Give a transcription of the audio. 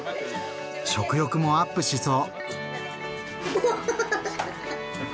食欲もアップしそう！